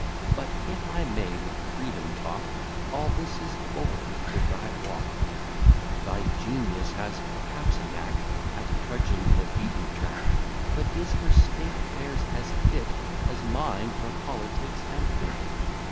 But, if I may with freedom talk, All this is foreign to thy walk: Thy genius has perhaps a knack At trudging in a beaten track, But is for state affairs as fit As mine for politics and wit.